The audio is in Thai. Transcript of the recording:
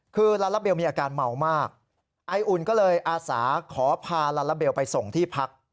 คือลาลาเบลมีอาการเมามากไออุ่นก็เลยอาสาขอพาลาลาเบลไปส่งที่พัก